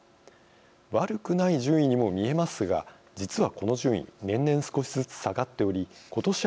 悪くない順位にも見えますが実はこの順位年々少しずつ下がっており今年